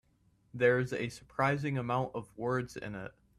There's a surprising amount of words in it.